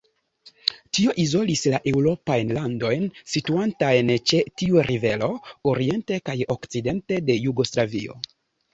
Tio izolis la eŭropajn landojn, situantajn ĉe tiu rivero, oriente kaj okcidente de Jugoslavio.